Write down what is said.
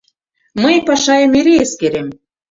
Мый Пашайым эре эскерем.